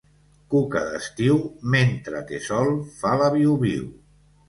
Cuca d'estiu, mentre té sol, fa la viu-viu.